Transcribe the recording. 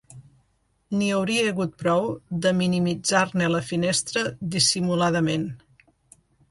N'hi hauria hagut prou de minimitzar-ne la finestra dissimuladament.